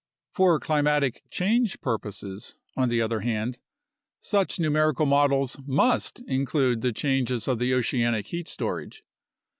For climatic change purposes, on the other hand, such numerical models must include the changes of the oceanic heat storage.